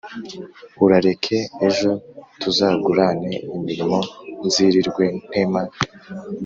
urareke ejo tuzagurane imirimo, nzirirwe ntema,